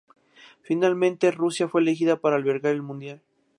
Finalmente, Rusia fue elegida para albergar el Mundial.